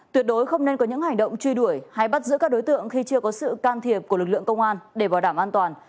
tuyệt đối không nên có những hành động truy đuổi hay bắt giữ các đối tượng khi chưa có sự can thiệp của lực lượng công an để bảo đảm an toàn